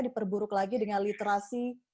diperburuk lagi dengan literasi